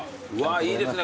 いいですね